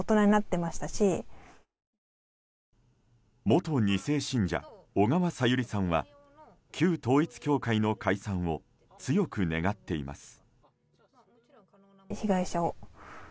元２世信者、小川さゆりさんは旧統一教会の解散を強く願っています。